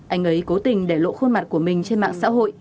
anh ấy cố tình để lộ khuôn mặt của mình